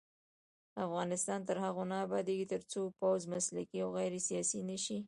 افغانستان تر هغو نه ابادیږي، ترڅو پوځ مسلکي او غیر سیاسي نشي.